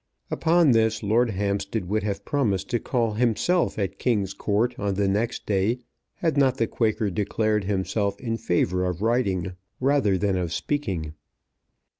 Upon this Lord Hampstead would have promised to call himself at King's Court on the next day, had not the Quaker declared himself in favour of writing rather than of speaking.